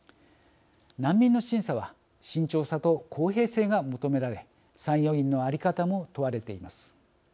難民の審査は慎重さと公平性が求められ参与員の在り方も問われています。